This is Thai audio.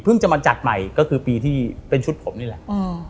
จะมาจัดใหม่ก็คือปีที่เป็นชุดผมนี่แหละ